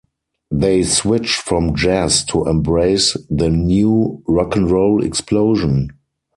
They switched from jazz to embrace the new rock 'n' roll explosion.